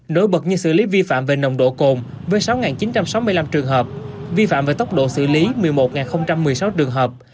nổi bật như xử lý vi phạm về nồng độ cồn với sáu chín trăm sáu mươi năm trường hợp vi phạm về tốc độ xử lý một mươi một một mươi sáu trường hợp